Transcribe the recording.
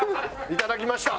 いただきました。